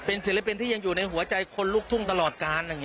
ศิลปินที่ยังอยู่ในหัวใจคนลุกทุ่งตลอดการ